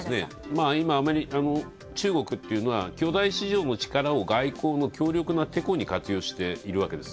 今、中国っていうのは巨大市場の力を外交の強力なてこに活用しているわけです。